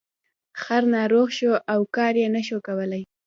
خر ناروغ شو او کار یې نشو کولی.